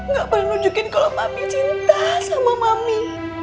nggak pernah nunjukin kalau papi cinta sama mami